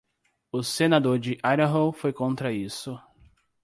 O senador de Idaho foi contra isso.